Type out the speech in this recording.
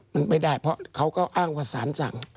มันไม่ได้เพราะเขาก็อ้างว่าสารสั่ง